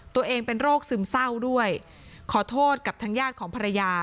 ตัวเองเป็นโรคซึมเศร้าด้วยขอโทษกับทางญาติของภรรยา